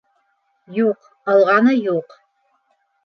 — Юҡ, алғаны юҡ.